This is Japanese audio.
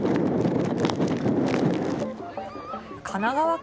神奈川県